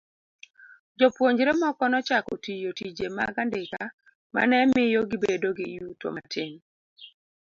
Jopuonjre moko nochako tiyo tije mag andika ma ne miyo gibedo gi yuto matin.